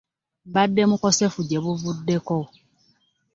Mbadde mukosefu gye buvuddeko.